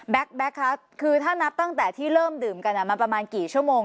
แก๊กคะคือถ้านับตั้งแต่ที่เริ่มดื่มกันมันประมาณกี่ชั่วโมง